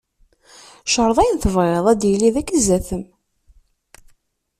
Creḍ ayen tebɣiḍ ad d-yili dagi zdat-m.